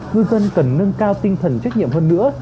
ngư dân cần nâng cao tinh thần trách nhiệm hơn nữa